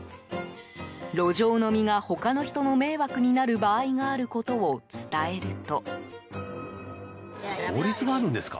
路上飲みが他の人の迷惑になる場合があることを伝えると。